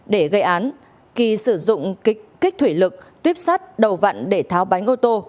để gây án kỳ sử dụng kích thủy lực tuyếp sắt đầu vặn để tháo bánh ô tô